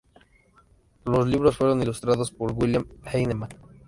Los libros fueron ilustrados por William Heinemann.